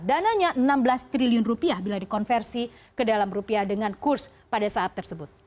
dananya enam belas triliun rupiah bila dikonversi ke dalam rupiah dengan kurs pada saat tersebut